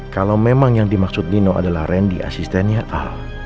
kalau memang yang dimaksud nino adalah randy asistennya al